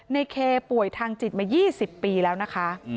ในเคป่วยทางจิตมา๒๐ปีแล้วนะคะ